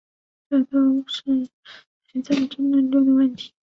这都是还在争论中的问题。